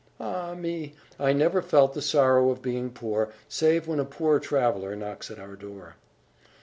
Ah me! I never feel the sorrow of being poor, save when a poor traveller knocks at our door."